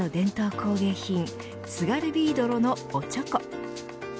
工芸品津軽びいどろのおちょこ。